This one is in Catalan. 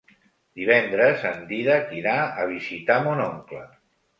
Divendres en Dídac irà a visitar mon oncle.